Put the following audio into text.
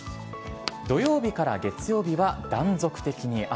土曜日から月曜日は断続的に雨。